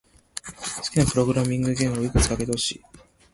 好きなプログラミング言語をいくつか挙げてほしい。